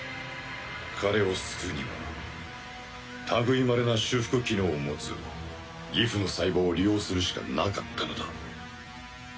彼を救うには類いまれな修復機能を持つギフの細胞を利用するしかなかったのだ。